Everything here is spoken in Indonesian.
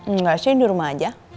enggak sih di rumah aja